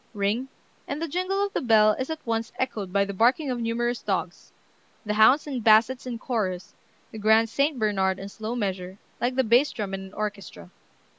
Ring, and the jingle of the bell is at once echoed by the barking of numerous dogs, the hounds and bassets in chorus, the grand Saint Bernard in slow measure, like the bass drum in an orchestra.